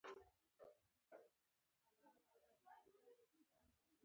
چې سیپو شومه اوس په پوه شومه متل د شتمن سړي کیسه ده